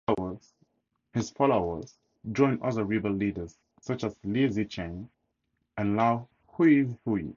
His followers joined other rebel leaders such as Li Zicheng and Lao Huihui.